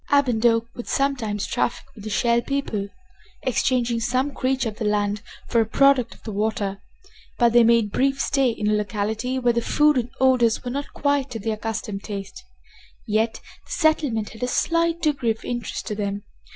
Ab and Oak would sometimes traffic with the Shell People, exchanging some creature of the land for a product of the water, but they made brief stay in a locality where the food and odors were not quite to their accustomed taste. Yet the settlement had a slight degree of interest to them.